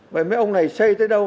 vậy mấy ông này xây tới đâu